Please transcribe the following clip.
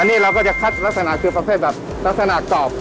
อันนี้เราก็จะคัดลักษณะคือประเภทแบบลักษณะกรอบ